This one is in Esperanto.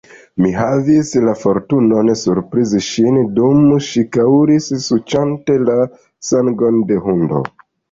Mi havis la fortunon surprizi ŝin, dum ŝi kaŭris suĉante la sangon de hundo.